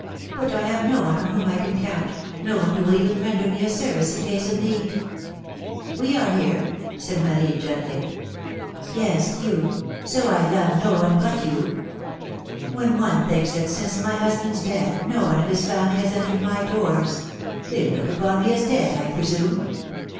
But I have no one on whom I can count, no one who will even render me a service in case of need ! We are here said Marie, gently. ^^Yes, you I so I love no one but you! When one thinks that since my husband's death, no one of his family has entered my doors ! They look upon me as dead, I presume."